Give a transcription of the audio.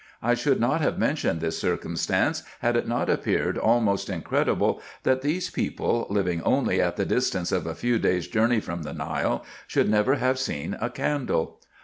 I should not have mentioned this circumstance, had it not appeared almost incredible that these people, living only at the distance of a few days' journey from the Nile, should never have seen a candle.